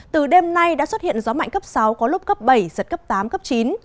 từ đêm nay đã xuất hiện gió mạnh cấp sáu có lúc cấp bảy giật cấp tám cấp chín